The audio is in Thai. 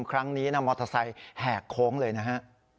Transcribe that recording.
ครั้งนี้นะมอเตอร์ไซค์แหกโค้งเลยนะฮะ